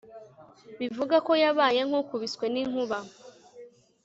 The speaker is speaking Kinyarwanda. bivuga ko yabaye nk'ukubiswe n'inkuba